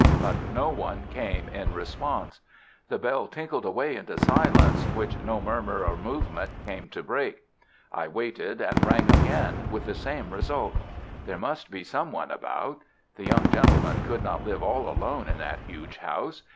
But no one came in response. The bell tinkled away into silence, which no murmur or movement came to break. I waited, and rang again, with the same result. There must be some one about. This young gentleman could not live all alone in that huge house.